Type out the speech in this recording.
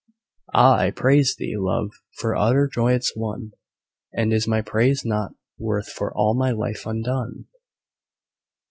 Ah! I praise thee, Love, for utter joyance won! "And is my praise nought worth for all my life undone?"